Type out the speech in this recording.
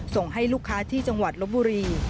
ส่งให้ลูกค้าที่จังหวัดลบบุรี